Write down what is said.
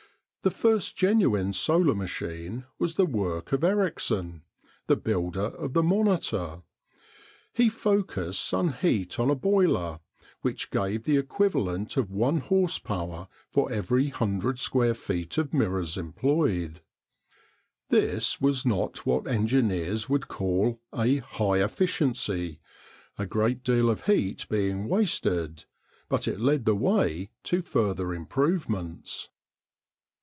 The first genuine solar machine was the work of Ericsson, the builder of the Monitor. He focused sun heat on a boiler, which gave the equivalent of one horse power for every hundred square feet of mirrors employed. This was not what engineers would call a "high efficiency," a great deal of heat being wasted, but it led the way to further improvements.